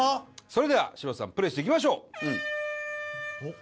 それでは柴田さんプレーしていきましょう。